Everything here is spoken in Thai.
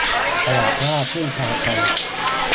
ขนาดว่าพึ่งพากัน